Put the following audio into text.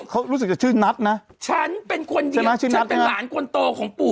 เขารู้สึกจะชื่อนัทนะฉันเป็นคนยิงฉันเป็นหลานคนโตของปู่